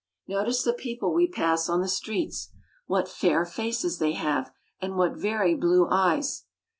Notice the people we pass on the streets. What fair faces they have, and what very blue eyes